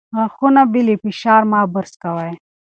غاښونه بې له فشار مه برس کوئ.